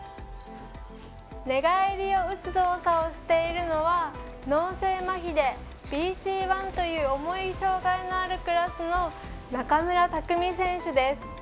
寝返りを打つ動作をしているのは脳性まひでＢＣ１という重い障がいのあるクラスの中村拓海選手です。